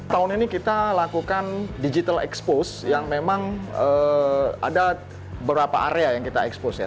tahun ini kita lakukan digital expose yang memang ada beberapa area yang kita expose ya